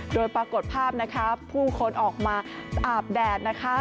โดยปรากฏภาพนะคะผู้คนออกมาอาบแดดนะคะ